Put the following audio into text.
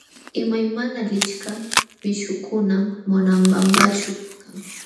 Imaymana lichka pishqukunam Monobambaćhu kan.